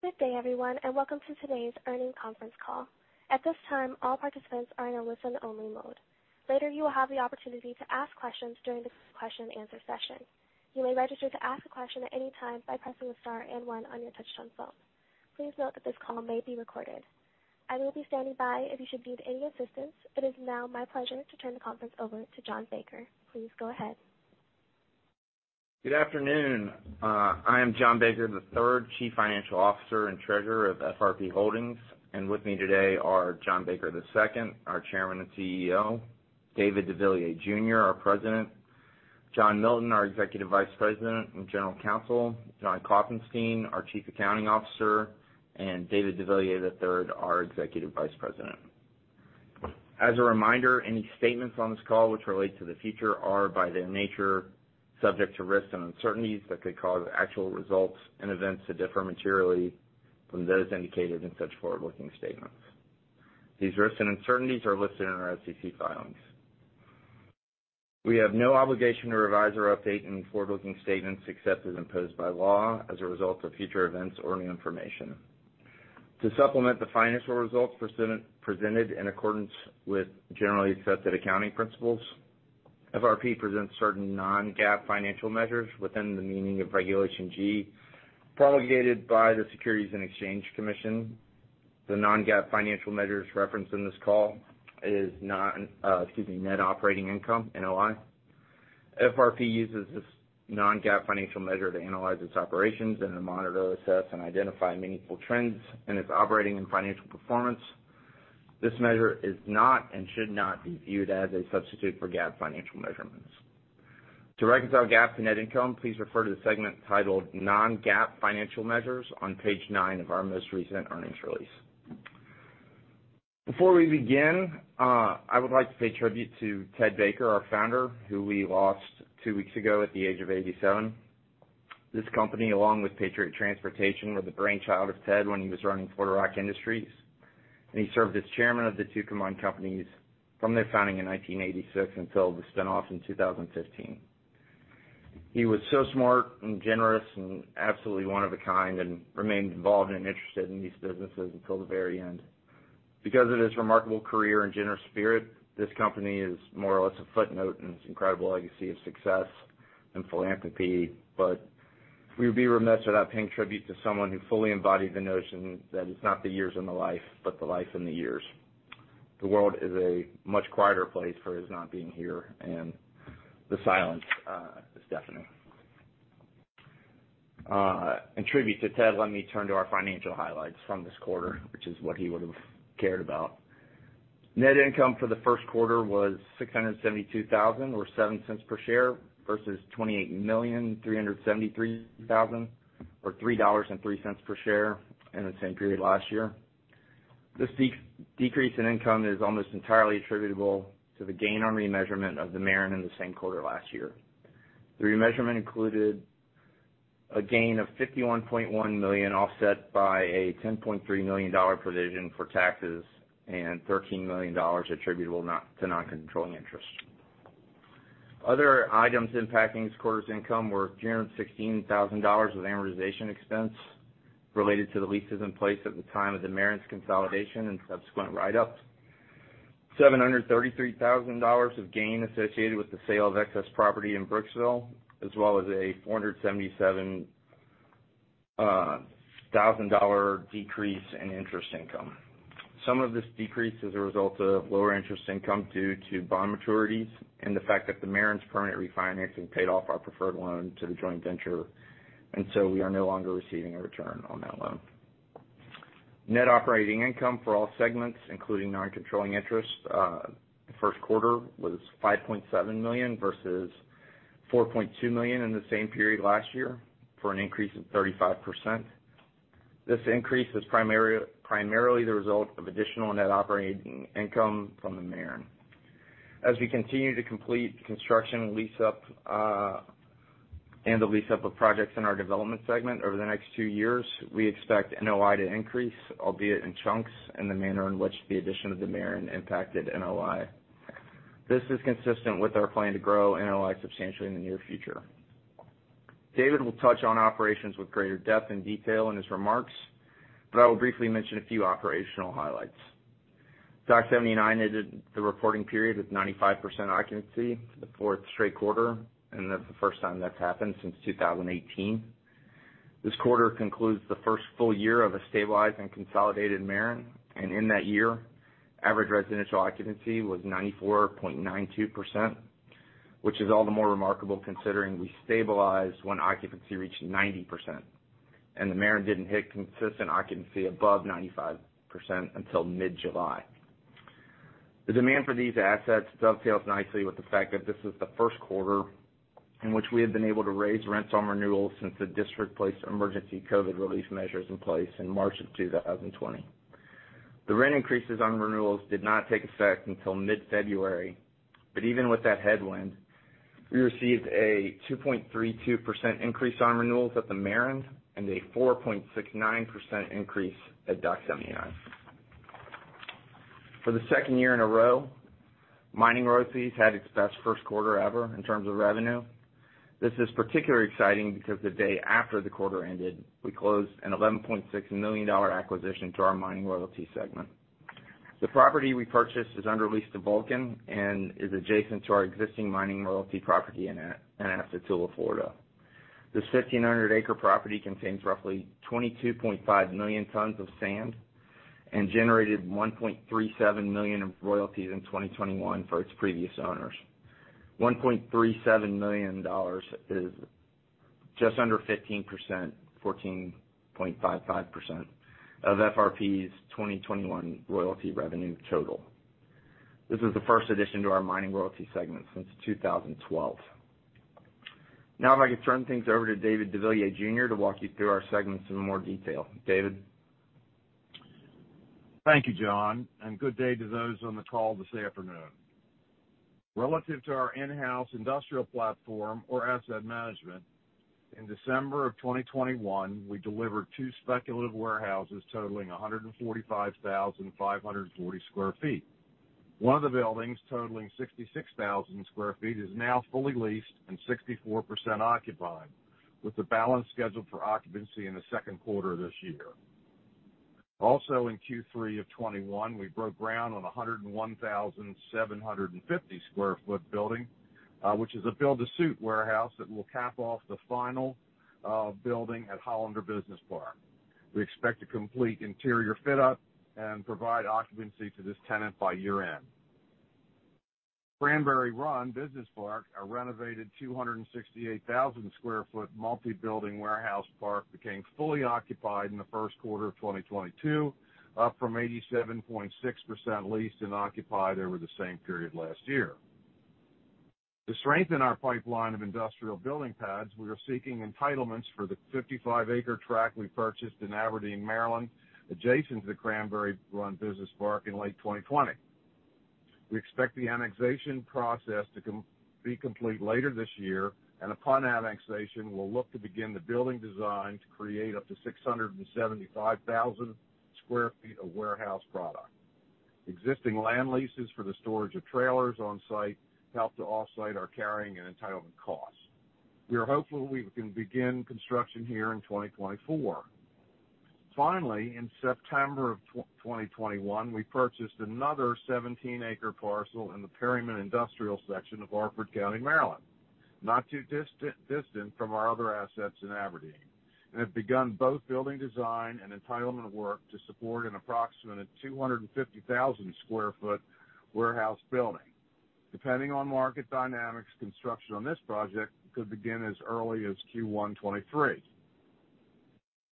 Good day, everyone, and welcome to today's earnings conference call. At this time, all participants are in a listen-only mode. Later, you will have the opportunity to ask questions during this question answer session. You may register to ask a question at any time by pressing star and one on your touch-tone phone. Please note that this call may be recorded. I will be standing by if you should need any assistance. It is now my pleasure to turn the conference over to John Baker. Please go ahead. Good afternoon. I am John Baker III, Chief Financial Officer and Treasurer of FRP Holdings. With me today are John Baker II, our Chairman and CEO, David deVilliers, Jr., our President, John Milton, our Executive Vice President and General Counsel, John Klopfenstein, our Chief Accounting Officer, and David deVilliers III, our Executive Vice President. As a reminder, any statements on this call which relate to the future are, by their nature, subject to risks and uncertainties that could cause actual results and events to differ materially from those indicated in such forward-looking statements. These risks and uncertainties are listed in our SEC filings. We have no obligation to revise or update any forward-looking statements, except as imposed by law as a result of future events or new information. To supplement the financial results presented in accordance with generally accepted accounting principles, FRP presents certain non-GAAP financial measures within the meaning of Regulation G, promulgated by the Securities and Exchange Commission. The non-GAAP financial measures referenced in this call is net operating income, NOI. FRP uses this non-GAAP financial measure to analyze its operations and to monitor, assess, and identify meaningful trends in its operating and financial performance. This measure is not and should not be viewed as a substitute for GAAP financial measurements. To reconcile GAAP to net income, please refer to the segment titled Non-GAAP Financial Measures on page nine of our most recent earnings release. Before we begin, I would like to pay tribute to Ted Baker, our founder, who we lost two weeks ago at the age of 87. This company, along with Patriot Transportation, were the brainchild of Ted when he was running Florida Rock Industries, and he served as chairman of the two combined companies from their founding in 1986 until the spin-off in 2015. He was so smart and generous and absolutely one of a kind, and remained involved and interested in these businesses until the very end. Because of his remarkable career and generous spirit, this company is more or less a footnote in his incredible legacy of success and philanthropy. We would be remiss without paying tribute to someone who fully embodied the notion that it's not the years in the life, but the life in the years. The world is a much quieter place for his not being here, and the silence is deafening. In tribute to Ted, let me turn to our financial highlights from this quarter, which is what he would've cared about. Net income for the first quarter was $672,000, or $0.07 per share, versus $28,373,000 or $3.03 per share in the same period last year. This decrease in income is almost entirely attributable to the gain on remeasurement of The Maren in the same quarter last year. The remeasurement included a gain of $51.1 million, offset by a $10.3 million provision for taxes and $13 million attributable to non-controlling interest. Other items impacting this quarter's income were general $16,000 of amortization expense related to the leases in place at the time of The Maren's consolidation and subsequent write-up, $733,000 of gain associated with the sale of excess property in Brooksville, as well as a $477,000 decrease in interest income. Some of this decrease is a result of lower interest income due to bond maturities and the fact that The Maren's permanent refinancing paid off our preferred loan to the joint venture, and so we are no longer receiving a return on that loan. Net operating income for all segments, including non-controlling interests, first quarter was $5.7 million versus $4.2 million in the same period last year, for an increase of 35%. This increase is primarily the result of additional net operating income from The Maren. As we continue to complete construction lease-up, and the lease-up of projects in our development segment over the next two years, we expect NOI to increase, albeit in chunks, in the manner in which the addition of The Maren impacted NOI. This is consistent with our plan to grow NOI substantially in the near future. David will touch on operations with greater depth and detail in his remarks, but I will briefly mention a few operational highlights. Dock 79 ended the reporting period with 95% occupancy for the fourth straight quarter, and that's the first time that's happened since 2018. This quarter concludes the first full year of a stabilized and consolidated The Maren, and in that year, average residential occupancy was 94.92%, which is all the more remarkable considering we stabilized when occupancy reached 90%, and The Maren didn't hit consistent occupancy above 95% until mid-July. The demand for these assets dovetails nicely with the fact that this is the first quarter in which we have been able to raise rents on renewals since the district placed emergency COVID relief measures in place in March 2020. The rent increases on renewals did not take effect until mid-February. Even with that headwind, we received a 2.32% increase on renewals at The Maren and a 4.69% increase at Dock 79. For the second year in a row, mining royalties had its best first quarter ever in terms of revenue. This is particularly exciting because the day after the quarter ended, we closed an $11.6 million acquisition to our mining royalty segment. The property we purchased is under leased to Vulcan and is adjacent to our existing mining royalty property in Anastasia Island, St. Johns County, Florida. This 1,500-acre property contains roughly 22.5 million tons of sand and generated $1.37 million in royalties in 2021 for its previous owners. $1.37 million is just under 15%, 14.55% of FRP's 2021 royalty revenue total. This is the first addition to our mining royalty segment since 2012. Now, if I could turn things over to David deVilliers, Jr. to walk you through our segments in more detail. David. Thank you, John, and good day to those on the call this afternoon. Relative to our in-house industrial platform or asset management, in December of 2021, we delivered two speculative warehouses totaling 145,540 sq ft. One of the buildings, totaling 66,000 sq ft, is now fully leased and 64% occupied, with the balance scheduled for occupancy in the second quarter of this year. Also, in Q3 of 2021, we broke ground on a 101,750 sq ft building, which is a build to suit warehouse that will cap off the final building at Hollander Business Park. We expect to complete interior fit out and provide occupancy to this tenant by year end. Cranberry Run Business Park, a renovated 268,000 sq ft multi-building warehouse park, became fully occupied in the first quarter of 2022, up from 87.6% leased and occupied over the same period last year. To strengthen our pipeline of industrial building pads, we are seeking entitlements for the 55-acre tract we purchased in Aberdeen, Maryland, adjacent to the Cranberry Run Business Park in late 2020. We expect the annexation process to be complete later this year, and upon annexation, we'll look to begin the building design to create up to 675,000 sq ft of warehouse product. Existing land leases for the storage of trailers on site help to offset our carrying and entitlement costs. We are hopeful we can begin construction here in 2024. Finally, in September 2021, we purchased another 17-acre parcel in the Perryman industrial section of Harford County, Maryland, not too distant from our other assets in Aberdeen, and have begun both building design and entitlement work to support an approximate 250,000 sq ft warehouse building. Depending on market dynamics, construction on this project could begin as early as Q1 2023.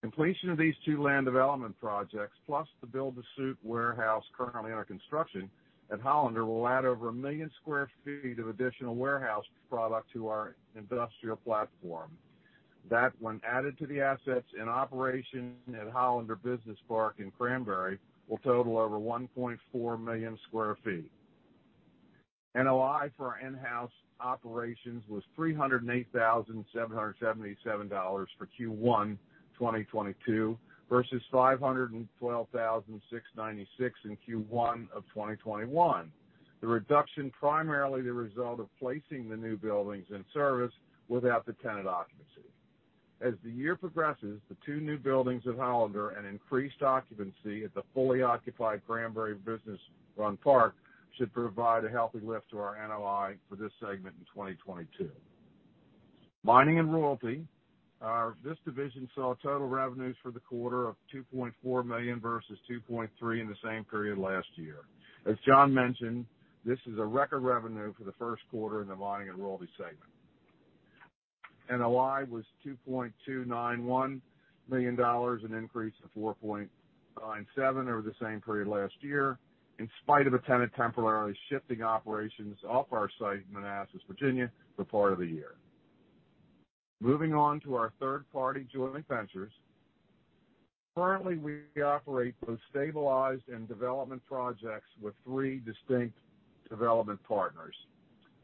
Completion of these two land development projects, plus the build-to-suit warehouse currently under construction at Hollander, will add over 1 million sq ft of additional warehouse product to our industrial platform. That, when added to the assets in operation at Hollander Business Park in Cranberry, will total over 1.4 million sq ft. NOI for our in-house operations was $308,777 for Q1 2022 versus $512,696 in Q1 of 2021. The reduction primarily the result of placing the new buildings in service without the tenant occupancy. As the year progresses, the two new buildings at Hollander and increased occupancy at the fully occupied Cranberry Run Business Park should provide a healthy lift to our NOI for this segment in 2022. Mining and royalty. This division saw total revenues for the quarter of $2.4 million versus $2.3 million in the same period last year. As John mentioned, this is a record revenue for the first quarter in the mining and royalty segment. NOI was $2.291 million, an increase of 4.97% over the same period last year, in spite of a tenant temporarily shifting operations off our site in Manassas, Virginia, for part of the year. Moving on to our third-party joint ventures. Currently, we operate both stabilized and development projects with three distinct development partners,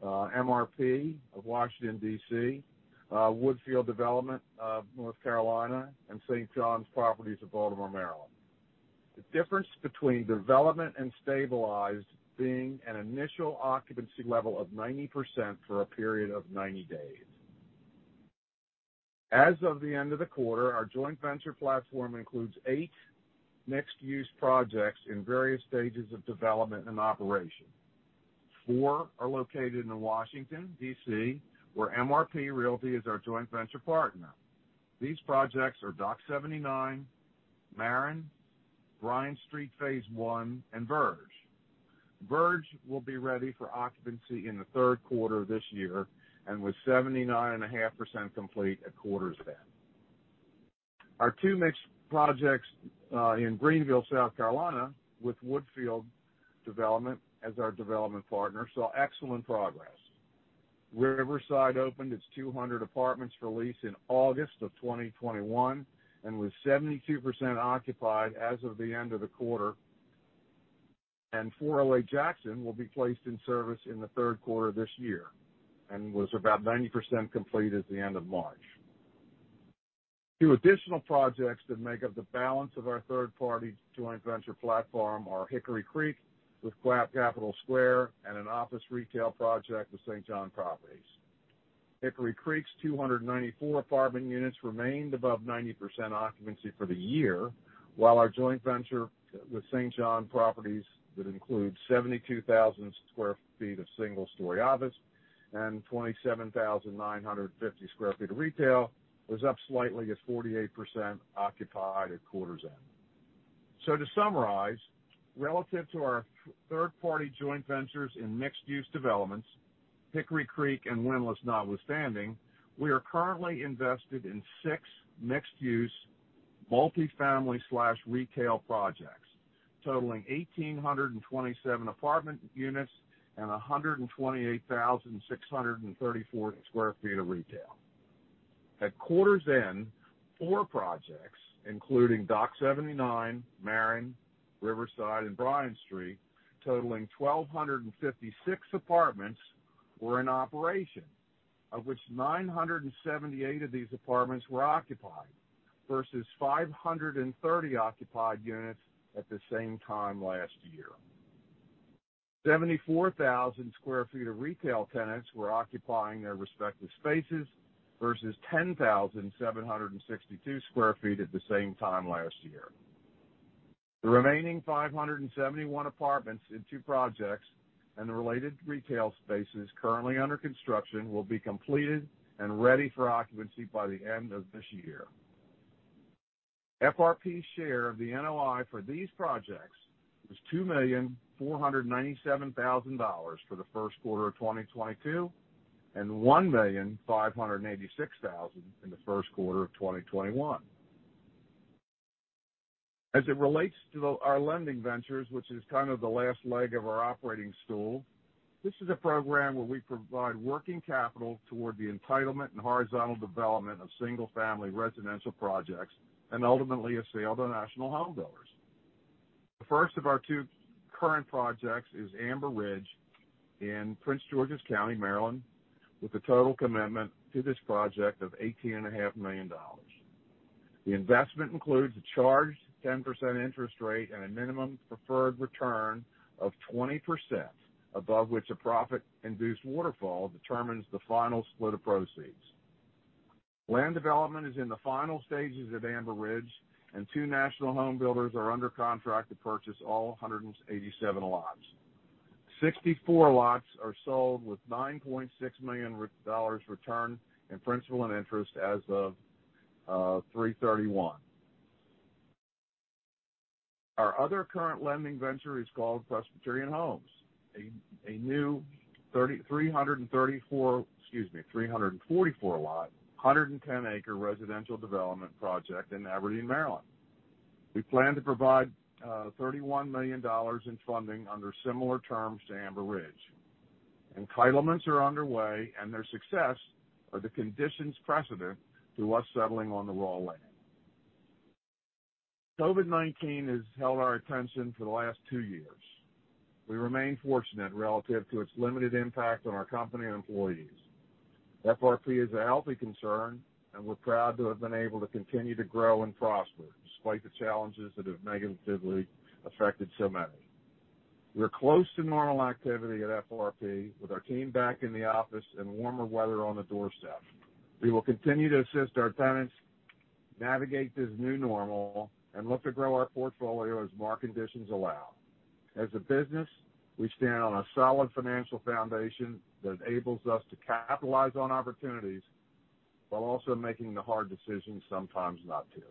MRP Realty of Washington, D.C., Woodfield Development of North Carolina, and St. John Properties of Baltimore, Maryland. The difference between development and stabilized being an initial occupancy level of 90% for a period of 90 days. As of the end of the quarter, our joint venture platform includes eight mixed-use projects in various stages of development and operation. Four are located in Washington, D.C., where MRP Realty is our joint venture partner. These projects are Dock 79, Maren, Bryant Street phase I, and Verge. Verge will be ready for occupancy in the third quarter of this year and was 79.5% complete at quarter's end. Our two mixed projects in Greenville, South Carolina, with Woodfield Development as our development partner, saw excellent progress. Riverside opened its 200 apartments for lease in August of 2021 and was 72% occupied as of the end of the quarter. .408 Jackson will be placed in service in the third quarter this year and was about 90% complete at the end of March. Two additional projects that make up the balance of our third party joint venture platform are Hickory Creek with Capital Square and an office retail project with St. John Properties. Hickory Creek's 294 apartment units remained above 90% occupancy for the year, while our joint venture with St. John Properties that includes 72,000 sq ft of single story office and 27,950 sq ft of retail was up slightly at 48% occupied at quarter's end. To summarize, relative to our third party joint ventures in mixed use developments, Hickory Creek and Windlass notwithstanding, we are currently invested in six mixed use multi-family/retail projects totaling 1,827 apartment units and 128,634 sq ft of retail. At quarter's end, four projects, including Dock 79, The Maren, Riverside and Bryant Street, totaling 1,256 apartments were in operation. Of which 978 of these apartments were occupied versus 530 occupied units at the same time last year. 74,000 sq ft of retail tenants were occupying their respective spaces versus 10,762 sq ft at the same time last year. The remaining 571 apartments in two projects and the related retail spaces currently under construction will be completed and ready for occupancy by the end of this year. FRP share of the NOI for these projects was $2.497 million for the first quarter of 2022, and $1.586 million in the first quarter of 2021. As it relates to our lending ventures, which is kind of the last leg of our operating stool, this is a program where we provide working capital toward the entitlement and horizontal development of single family residential projects and ultimately a sale to national home builders. The first of our two current projects is Amber Ridge in Prince George's County, Maryland, with a total commitment to this project of $18.5 million. The investment includes a charged 10% interest rate and a minimum preferred return of 20%, above which a profit-induced waterfall determines the final split of proceeds. Land development is in the final stages at Amber Ridge, and two national home builders are under contract to purchase all 187 lots. 64 lots are sold with $9.6 million returned in principal and interest as of 3/31. Our other current lending venture is called Presbyterian Homes, a new 344-lot, 110-acre residential development project in Aberdeen, Maryland. We plan to provide $31 million in funding under similar terms to Amber Ridge. Entitlements are underway and their success are the conditions precedent to us settling on the raw land. COVID-19 has held our attention for the last two years. We remain fortunate relative to its limited impact on our company and employees. FRP is a healthy concern and we're proud to have been able to continue to grow and prosper despite the challenges that have negatively affected so many. We're close to normal activity at FRP with our team back in the office and warmer weather on the doorstep. We will continue to assist our tenants navigate this new normal and look to grow our portfolio as market conditions allow. As a business, we stand on a solid financial foundation that enables us to capitalize on opportunities while also making the hard decisions sometimes not to.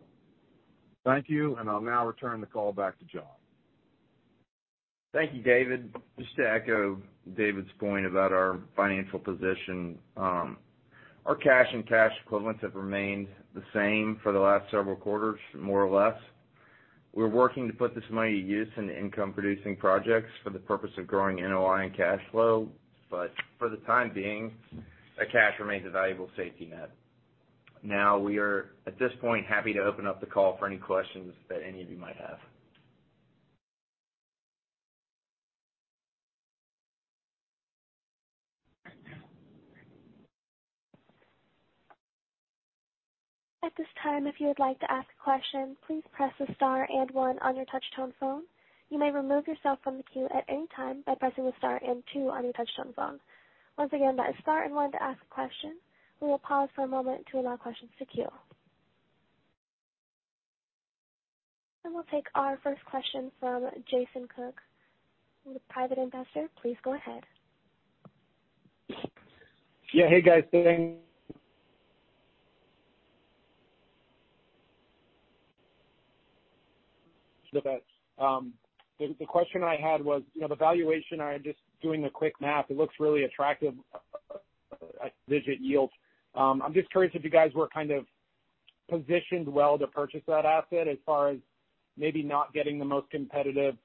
Thank you, and I'll now return the call back to John. Thank you, David. Just to echo David's point about our financial position, our cash and cash equivalents have remained the same for the last several quarters, more or less. We're working to put this money to use in income producing projects for the purpose of growing NOI and cash flow, but for the time being, our cash remains a valuable safety net. Now, we are at this point, happy to open up the call for any questions that any of you might have. At this time, if you would like to ask a question, please press star and one on your touch tone phone. You may remove yourself from the queue at any time by pressing star and two on your touch tone phone. Once again, that is star and one to ask a question. We will pause for a moment to allow questions to queue. We'll take our first question from Jason Cook with Private Investor. Please go ahead. Yeah. Hey, guys. The question I had was, you know, the valuation. I'm just doing the quick math. It looks really attractive at double-digit yields. I'm just curious if you guys were kind of positioned well to purchase that asset as far as maybe not getting the most competitive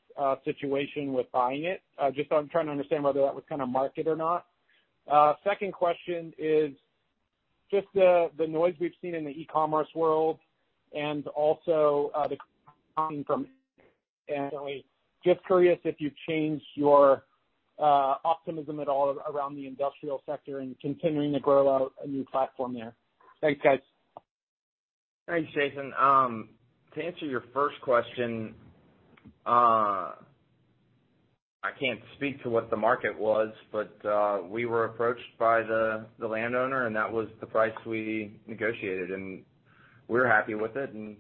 situation with buying it. Just, I'm trying to understand whether that was kind of market or not. Second question is just the noise we've seen in the e-commerce world. Just curious if you've changed your optimism at all around the industrial sector and continuing to grow out a new platform there. Thanks, guys. Thanks, Jason. To answer your first question, I can't speak to what the market was, but we were approached by the landowner, and that was the price we negotiated. We were happy with it, and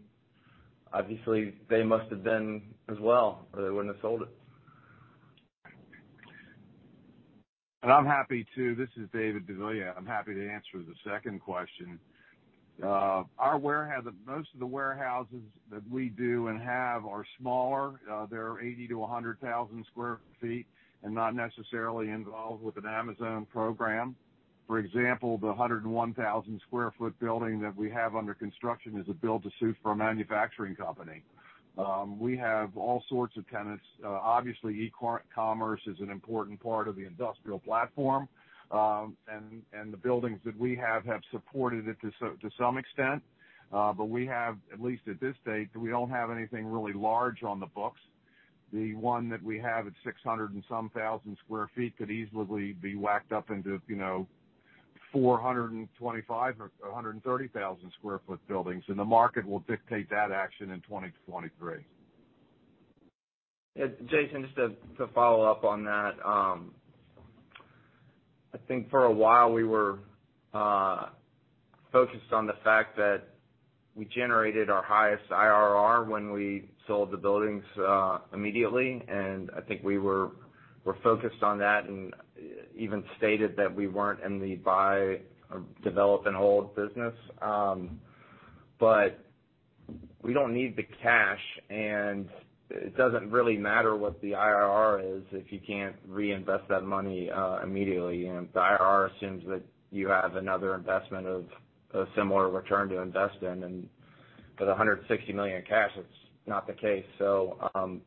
obviously, they must have been as well, or they wouldn't have sold it. This is David de Villiers Jr. I'm happy to answer the second question. Our warehouses, most of the warehouses that we do and have are smaller, they're 80,000 sq ft-100,000 sq ft, and not necessarily involved with an Amazon program. For example, the 101,000 sq ft building that we have under construction is a build to suit for a manufacturing company. We have all sorts of tenants. Obviously, e-commerce is an important part of the industrial platform. And the buildings that we have supported it to some extent. But we have, at least at this stage, we don't have anything really large on the books. The one that we have at 600 and some thousand sq ft could easily be whacked up into, you know, 425 or 130 thousand sq ft buildings. The market will dictate that action in 2023. Jason, just to follow up on that, I think for a while, we were focused on the fact that we generated our highest IRR when we sold the buildings immediately, and I think we're focused on that and even stated that we weren't in the buy, develop, and hold business. We don't need the cash, and it doesn't really matter what the IRR is if you can't reinvest that money immediately. The IRR assumes that you have another investment of a similar return to invest in. With $160 million in cash, it's not the case.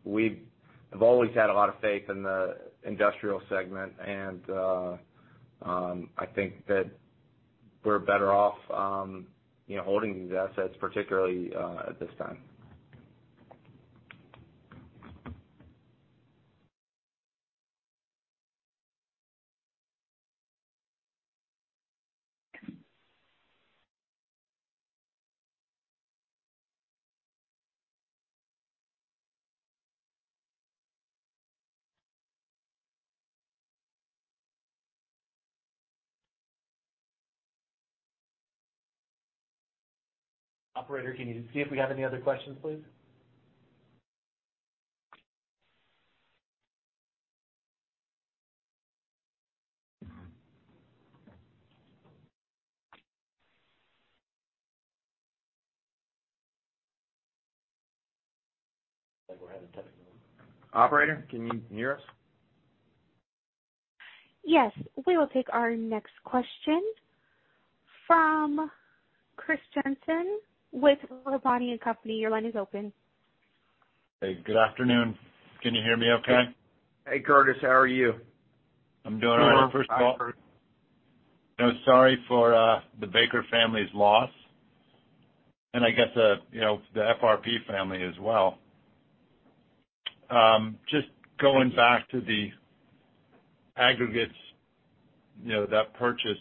We've always had a lot of faith in the industrial segment and I think that we're better off you know, holding these assets, particularly at this time. Operator, can you see if we have any other questions, please? Like we're having technical. Operator, can you hear us? Yes, we will take our next question from Curtis Jensen with Robotti & Company. Your line is open. Hey, good afternoon. Can you hear me okay? Hey, Curtis. How are you? I'm doing all right. Hi, Curtis. Sorry for the Baker family's loss, and I guess, you know, the FRP family as well. Just going back to the aggregates, you know, that purchase,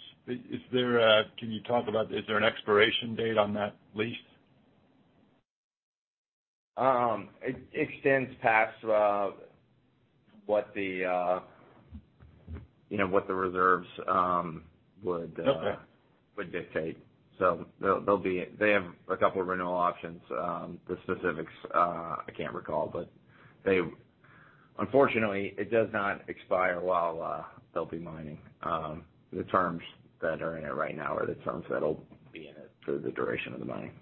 can you talk about, is there an expiration date on that lease? It extends past what the, you know, reserves would Okay would dictate. There'll be. They have a couple of renewal options. The specifics I can't recall. Unfortunately, it does not expire while they'll be mining. The terms that are in it right now are the terms that'll be in it for the duration of the mining.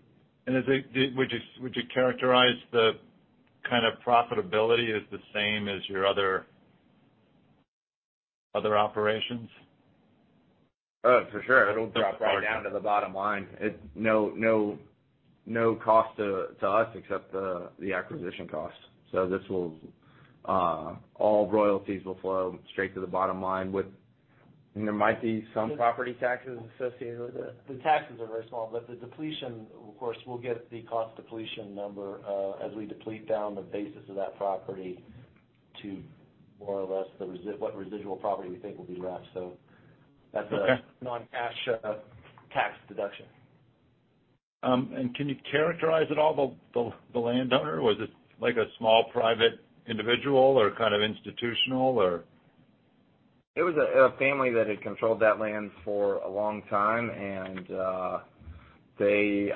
Would you characterize the kind of profitability as the same as your other operations? Oh, for sure. It'll drop right down to the bottom line. No cost to us except the acquisition cost. This will all royalties will flow straight to the bottom line with. There might be some property taxes associated with it. The taxes are very small, but the depletion, of course, we'll get the cost depletion number as we deplete down the basis of that property to more or less what residual property we think will be left. Okay... non-cash, tax deduction. Can you characterize at all the landowner? Was it like a small private individual or kind of institutional or? It was a family that had controlled that land for a long time, and they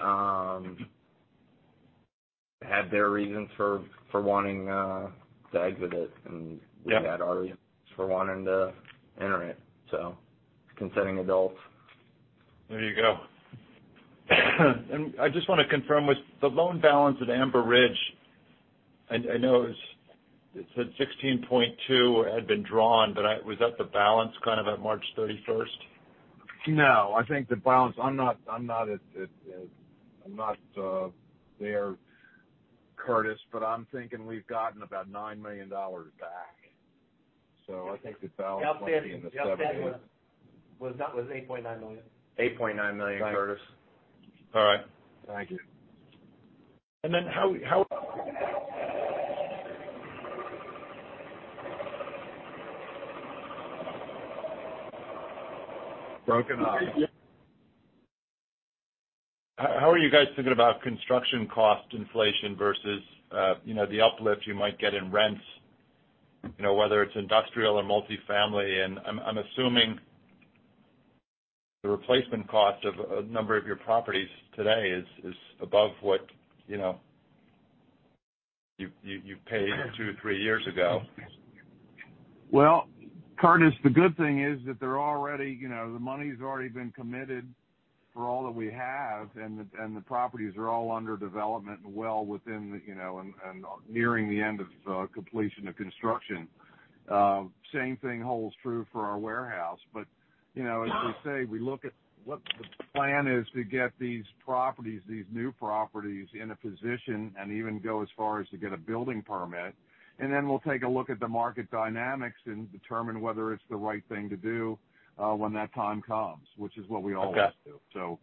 had their reasons for wanting to exit it. Yeah We had our reasons for wanting to enter it. Consenting adults. There you go. I just want to confirm with the loan balance at Amber Ridge, I know it's at $16.2 had been drawn, but was that the balance kind of at March 31st? No, I think the balance. I'm not there, Curtis, but I'm thinking we've gotten about $9 million back. So I think the balance might be in the seven- The upside was $8.9 million. $8.9 million, Curtis. All right. Thank you. How Broken up. How are you guys thinking about construction cost inflation versus, you know, the uplift you might get in rents, you know, whether it's industrial or multifamily? I'm assuming the replacement cost of a number of your properties today is above what, you know, you paid two-three years ago. Well, Curtis, the good thing is that they're already, you know, the money's already been committed for all that we have, and the properties are all under development and well within the, you know, nearing the end of completion of construction. Same thing holds true for our warehouse. You know, as we say, we look at what the plan is to get these properties, these new properties in a position and even go as far as to get a building permit. Then we'll take a look at the market dynamics and determine whether it's the right thing to do, when that time comes, which is what we always do. Okay.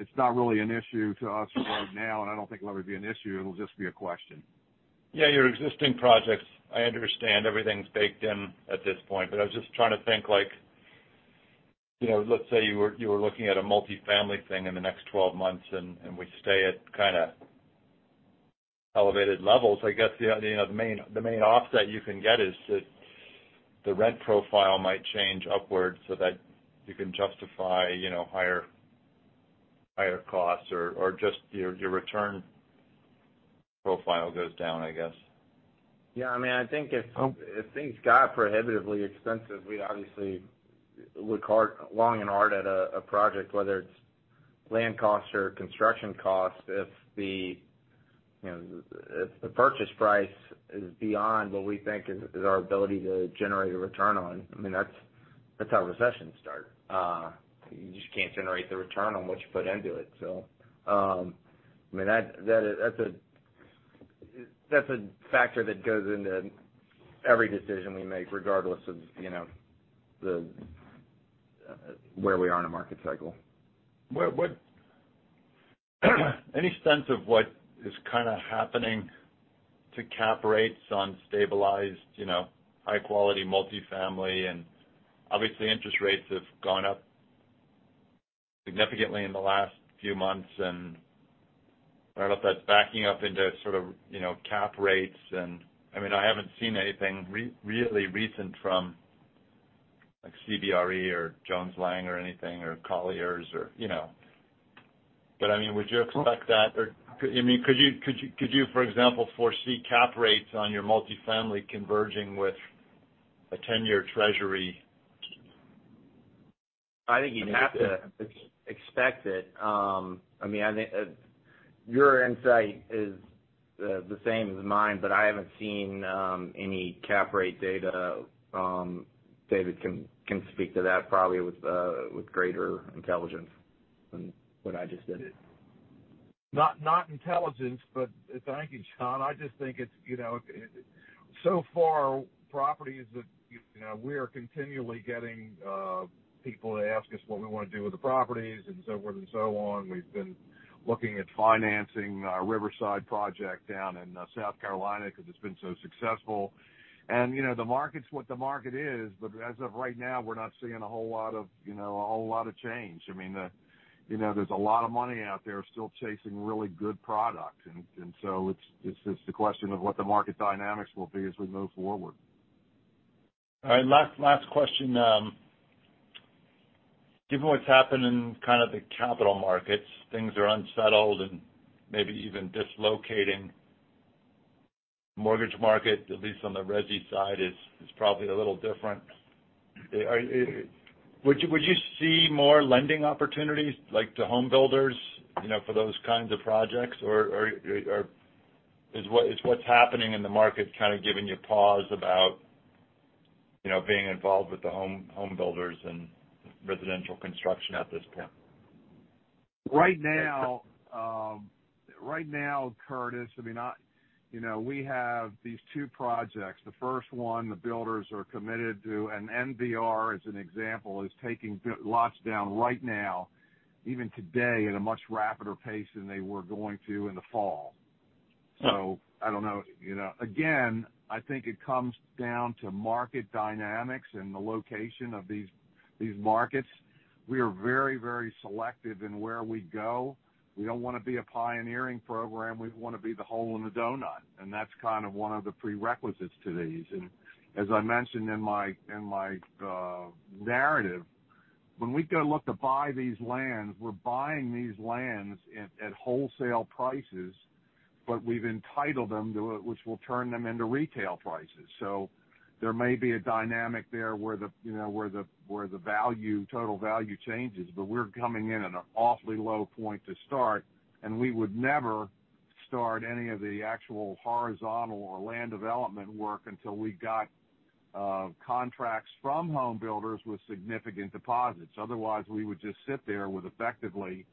It's not really an issue to us right now, and I don't think it'll ever be an issue. It'll just be a question. Yeah, your existing projects, I understand everything's baked in at this point. I was just trying to think, like, you know, let's say you were looking at a multifamily thing in the next 12 months and we stay at kind of elevated levels. I guess, you know, the main offset you can get is that the rent profile might change upwards so that you can justify, you know, higher costs or just your return profile goes down, I guess. Yeah, I mean, I think if things got prohibitively expensive, we'd obviously look long and hard at a project, whether it's land costs or construction costs. If you know, the purchase price is beyond what we think is our ability to generate a return on, I mean that's how recessions start. You just can't generate the return on what you put into it. I mean, that is a factor that goes into every decision we make, regardless of you know, where we are in a market cycle. Any sense of what is kind of happening to cap rates on stabilized, you know, high-quality multifamily? Obviously, interest rates have gone up significantly in the last few months. I don't know if that's backing up into sort of, you know, cap rates. I mean, I haven't seen anything really recent from like CBRE or Jones Lang or anything, or Colliers or, you know. I mean, would you expect that? I mean, could you, for example, foresee cap rates on your multifamily converging with a 10-year treasury? I think you'd have to expect it. I mean, I think, your insight is the same as mine, but I haven't seen any cap rate data. David can speak to that probably with greater intelligence than what I just did. Not intelligence, but thank you, John. I just think it's, you know, so far, properties that, you know, we are continually getting people to ask us what we wanna do with the properties and so forth and so on. We've been looking at financing our Riverside project down in South Carolina because it's been so successful. You know, the market's what the market is, but as of right now, we're not seeing a whole lot of change. I mean, you know, there's a lot of money out there still chasing really good product. So it's the question of what the market dynamics will be as we move forward. All right. Last question, given what's happened in kind of the capital markets, things are unsettled and maybe even dislocating. Mortgage market, at least on the resi side, is probably a little different. Would you see more lending opportunities like to home builders, you know, for those kinds of projects? Or is what's happening in the market kind of giving you pause about, you know, being involved with the home builders and residential construction at this point? Right now, Curtis, I mean, you know, we have these two projects. The first one, the builders are committed to, and NVR, as an example, is taking lots down right now, even today, at a much rapider pace than they were going to in the fall. Yeah. I don't know. You know, again, I think it comes down to market dynamics and the location of these markets. We are very, very selective in where we go. We don't wanna be a pioneering program. We'd wanna be the hole in the donut, and that's kind of one of the prerequisites to these. As I mentioned in my narrative, when we go look to buy these lands, we're buying these lands at wholesale prices, but we've entitled them to it, which will turn them into retail prices. There may be a dynamic there where the value, total value changes, but we're coming in at an awfully low point to start, and we would never start any of the actual horizontal or land development work until we got contracts from home builders with significant deposits. Otherwise, we would just sit there with effectively,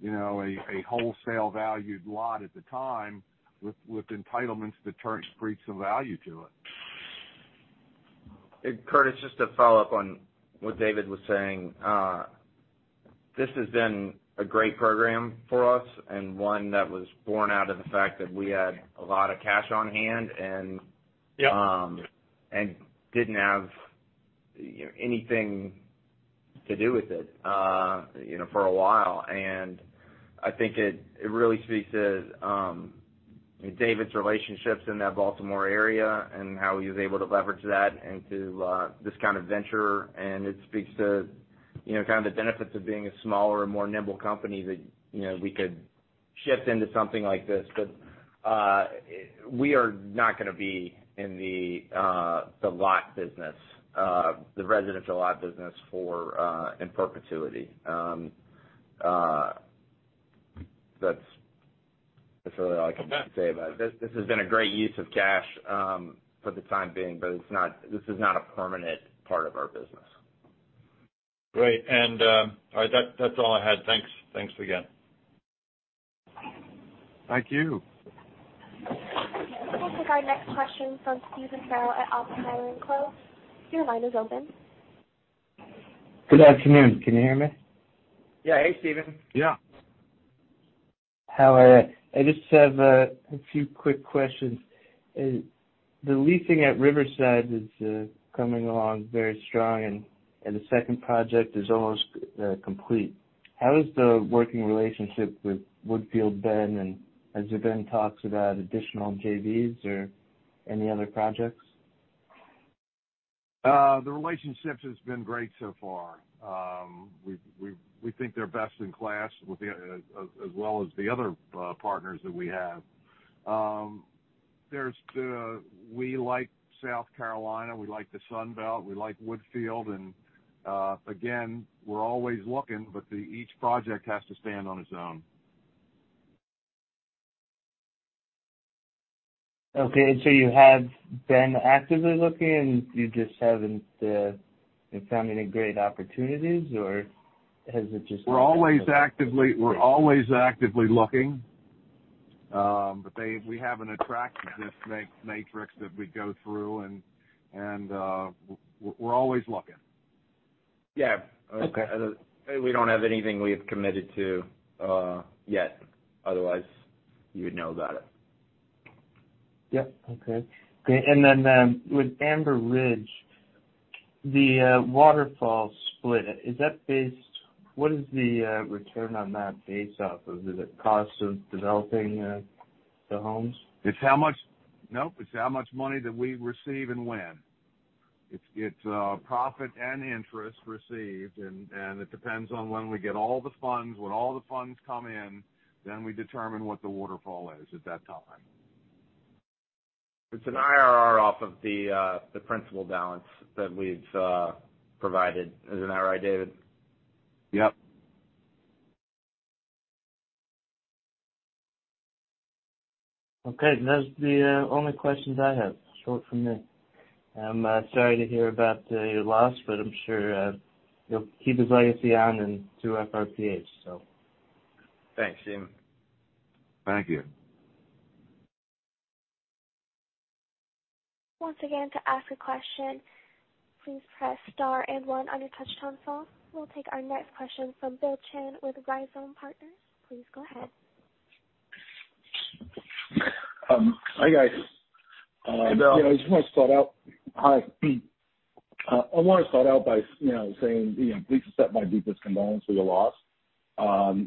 you know, a wholesale-valued lot at the time with entitlements that turns streets of value to it. Curtis, just to follow up on what David was saying. This has been a great program for us and one that was born out of the fact that we had a lot of cash on hand. Yeah. didn't have you know, anything to do with it, you know, for a while. I think it really speaks to David's relationships in that Baltimore area and how he was able to leverage that into this kind of venture. It speaks to you know, kind of the benefits of being a smaller and more nimble company that you know, we could shift into something like this. We are not gonna be in the residential lot business in perpetuity. That's really all I can say about it. This has been a great use of cash for the time being, but it's not. This is not a permanent part of our business. Great. All right, that's all I had. Thanks. Thanks again. Thank you. We'll take our next question from Stephen Farrell at Oppenheimer & Co. Your line is open. Good afternoon. Can you hear me? Yeah. Hey, Stephen. Yeah. How are ya? I just have a few quick questions. The leasing at Riverside is coming along very strong, and the second project is almost complete. How has the working relationship with Woodfield been, and has there been talks about additional JVs or any other projects? The relationship has been great so far. We think they're best in class as well as the other partners that we have. We like South Carolina. We like the Sunbelt. We like Woodfield. Again, we're always looking, but each project has to stand on its own. Okay. You have been actively looking, and you just haven't found any great opportunities, or has it just- We're always actively looking. We have an attractiveness matrix that we go through, and we're always looking. Yeah. Okay. We don't have anything we have committed to, yet. Otherwise, you would know about it. Okay. With Amber Ridge, the waterfall split, what is the return on that based off of? Is it cost of developing the homes? It's how much money that we receive and when. It's profit and interest received, and it depends on when we get all the funds. When all the funds come in, then we determine what the waterfall is at that time. It's an IRR off of the principal balance that we've provided. Isn't that right, David? Yep. Okay. That's the only questions I have. It's short from me. I'm sorry to hear about your loss, but I'm sure you'll keep his legacy on and through FRPH, so. Thanks, Stephen. Thank you. Once again, to ask a question, please press star and one on your touch-tone phone. We'll take our next question from Bill Chen with Rhizome Partners. Please go ahead. Hi, guys. Hey, Bill. You know, I just wanna start out by saying, you know, please accept my deepest condolences for your loss.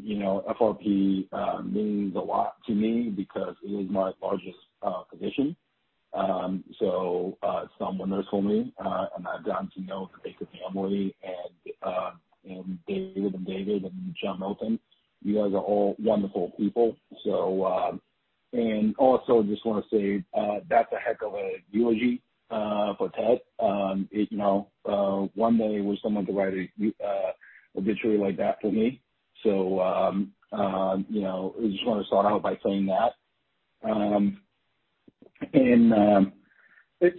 You know, FRP means a lot to me because it is my largest position. So, it's somewhat personal to me, and I've gotten to know the Baker family and David and John Milton. You guys are all wonderful people. Also just wanna say, that's a heck of a eulogy for Ted. You know, one day will someone write an obituary like that for me. You know, I just wanna start out by saying that. But,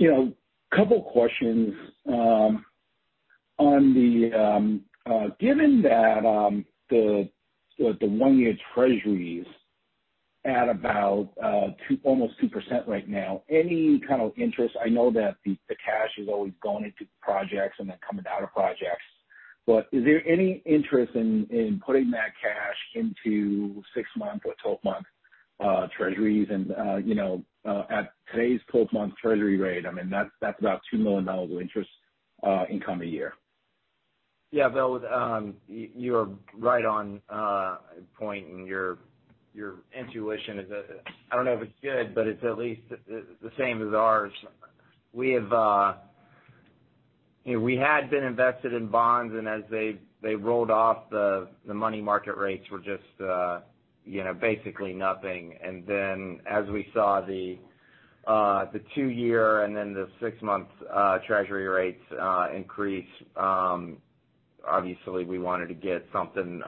you know, a couple questions on the. Given that the one-year Treasury is at about two, almost 2% right now, any kind of interest. I know that the cash is always going into projects and then coming out of projects. But is there any interest in putting that cash into six-month or 12-month Treasuries? You know, at today's 12-month Treasury rate, I mean, that's about $2 million of interest income a year. Yeah, Bill, you are right on point, and your intuition is, I don't know if it's good, but it's at least the same as ours. We have. You know, we had been invested in bonds, and as they rolled off the money market rates were just, you know, basically nothing. Then, as we saw the two-year and then the six-month Treasury rates increase, obviously we wanted to get something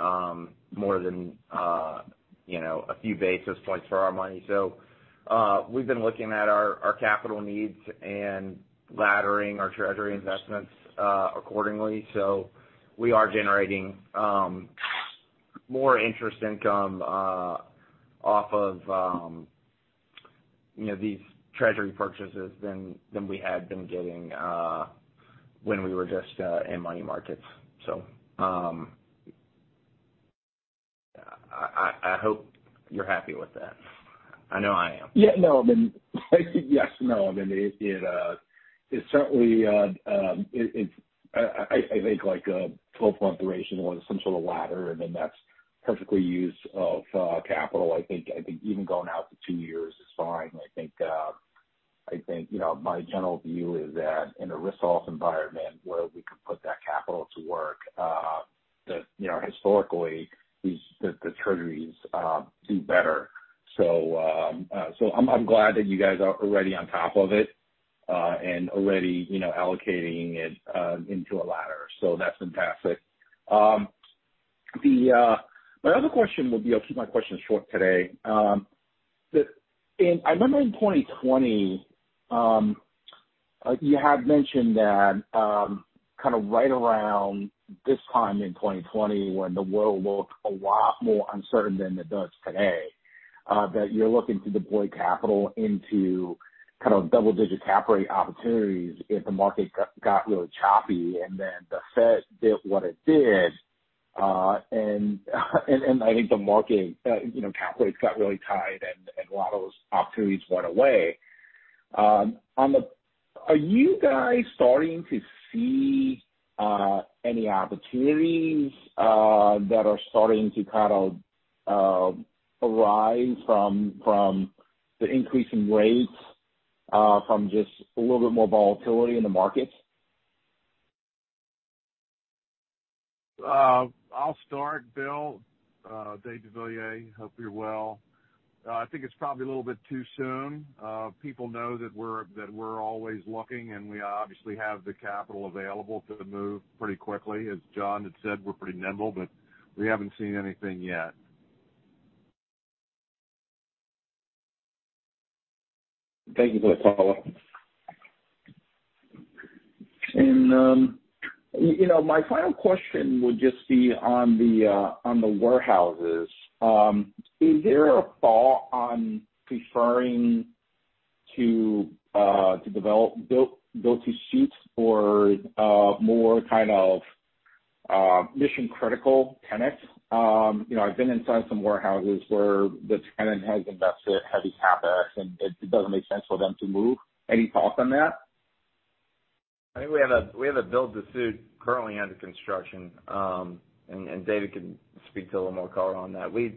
more than, you know, a few basis points for our money. We've been looking at our capital needs and laddering our Treasury investments accordingly. We are generating more interest income off of, you know, these Treasury purchases than we had been getting when we were just in money markets. I hope you're happy with that. I know I am. Yeah, no. I mean yes, no. I mean, it certainly is. I think like a 12-month duration or some sort of ladder, and then that's perfect use of capital. I think even going out to two years is fine. I think, you know, my general view is that in a risk-off environment where we can put that capital to work, that, you know, historically these treasuries do better. So I'm glad that you guys are already on top of it and already, you know, allocating it into a ladder. So that's fantastic. My other question would be. I'll keep my questions short today. I remember in 2020, you had mentioned that, kind of right around this time in 2020 when the world looked a lot more uncertain than it does today, that you're looking to deploy capital into kind of double-digit cap rate opportunities if the market got really choppy. The Fed did what it did. I think the market, you know, cap rates got really tight and a lot of those opportunities went away. Are you guys starting to see any opportunities that are starting to kind of arise from the increase in rates from just a little bit more volatility in the markets? I'll start, Bill. David deVilliers. Hope you're well. I think it's probably a little bit too soon. People know that we're always looking, and we obviously have the capital available to move pretty quickly. As John had said, we're pretty nimble, but we haven't seen anything yet. Thank you for the follow-up. You know, my final question would just be on the warehouses. Is there a thought on preferring to develop build-to-suits for more kind of mission-critical tenants? You know, I've been inside some warehouses where the tenant has invested heavy CapEx, and it doesn't make sense for them to move. Any thoughts on that? I think we have a build to suit currently under construction. David can speak to a little more color on that. I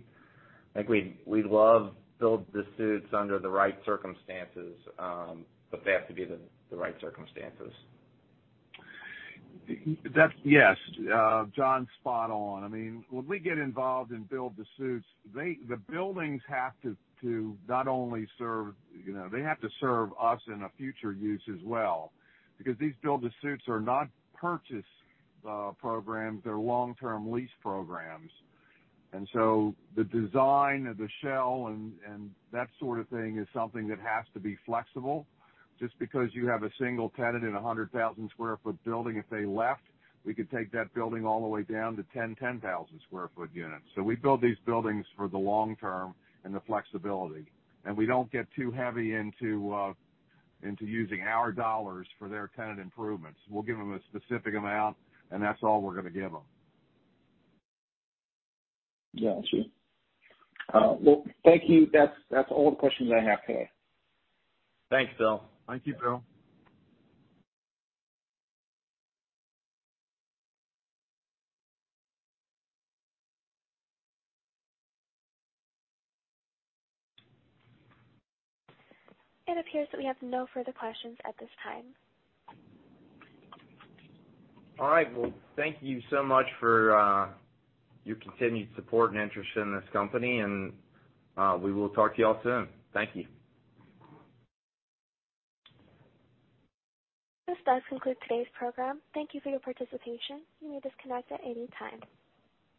think we'd love build to suits under the right circumstances, but they have to be the right circumstances. Yes, John's spot on. I mean, when we get involved in build to suits, the buildings have to not only serve, you know, they have to serve us in a future use as well, because these build to suits are not purchase programs. They're long-term lease programs. The design of the shell and that sort of thing is something that has to be flexible. Just because you have a single tenant in a 100,000 sq ft building, if they left, we could take that building all the way down to 10,000 sq ft units. We build these buildings for the long term and the flexibility. We don't get too heavy into using our dollars for their tenant improvements. We'll give them a specific amount, and that's all we're gonna give them. Got you. Well, thank you. That's all the questions I have today. Thanks, Bill. Thank you, Bill. It appears that we have no further questions at this time. All right. Well, thank you so much for your continued support and interest in this company, and we will talk to you all soon. Thank you. This does conclude today's program. Thank you for your participation. You may disconnect at any time.